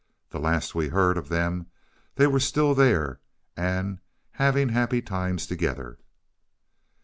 The last we heard of them, they were still there and having happy times together.